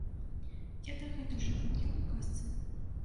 Я дагэтуль жыву, як у казцы.